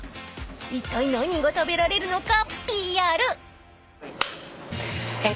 ［いったい何が食べられるのか］